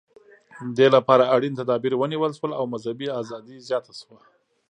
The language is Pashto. دې لپاره اړین تدابیر ونیول شول او مذهبي ازادي زیاته شوه.